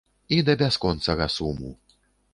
І да бясконцага суму.